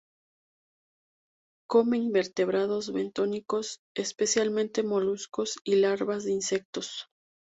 Come invertebrados bentónicos, especialmente moluscos y larvas de insectos.